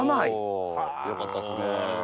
・よかったっすね・